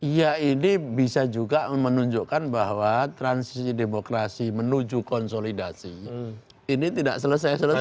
ya ini bisa juga menunjukkan bahwa transisi demokrasi menuju konsolidasi ini tidak selesai selesai